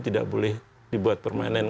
tidak boleh dibuat permanen